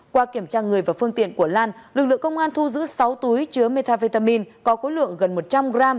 qua kiểm tra người và phương tiện của lan lực lượng công an thu giữ sáu túi chứa metavitamin có khối lượng gần một trăm linh g